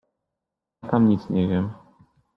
— Ja tam nic nie wiem…